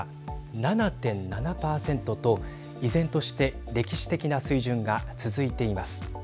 ７．７％と依然として歴史的な水準が続いています。